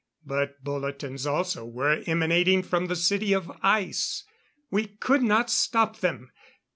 But bulletins also were emanating from the City of Ice. We could not stop them.